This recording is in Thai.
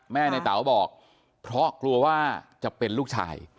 ในเต๋าบอกเพราะกลัวว่าจะเป็นลูกชาย